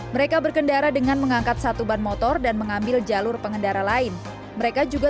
mereka berkendara dengan mengangkat satu ban motor dan mengambil jalur pengendara lain mereka juga